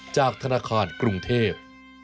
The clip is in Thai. จากธนาคารกรุงเทพ